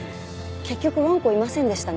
結局わんこいませんでしたね。